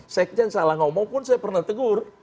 sekjen salah ngomong pun saya pernah tegur